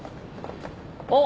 あっ！